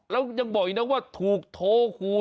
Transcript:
แล้วยังบอกอีกนะว่าถูกโทรขู่